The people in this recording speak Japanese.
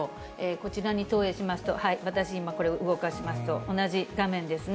こちらに投影しますと、私、これ、動かしますと、同じ画面ですね。